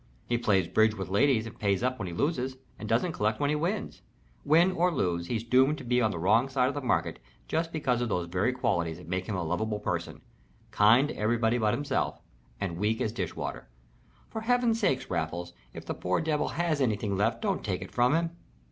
He plays bridge with ladies and pays up when he loses and doesn't collect when he wins. Win or lose he's doomed to be on the wrong side of the market just because of those very qualities that make him a lovable person kind to everybody but himself, and weak as dish water. For Heaven's sake, Raffles, if the poor devil has anything left don't take it from him."